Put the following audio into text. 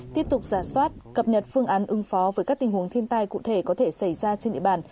tiếp tục giả soát cập nhật phương án ứng phó với các tình huống thiên tai cụ thể có thể xảy ra trên địa bàn